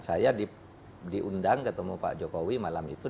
saya diundang ketemu pak jokowi malam itu